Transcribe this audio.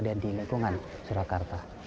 dan di lingkungan surakarta